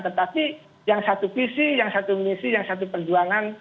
tetapi yang satu visi yang satu misi yang satu perjuangan